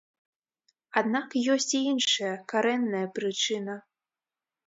Аднак ёсць і іншая, карэнная прычына.